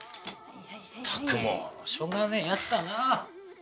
ったくもうしょうがねえやつだな。